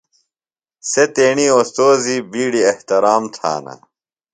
سےۡ تیݨی اوستوذی بِیڈیۡ احترام تھانہ۔